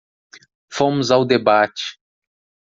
Fomos ao debate.